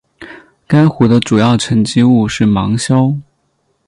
该湖的主要沉积物是芒硝。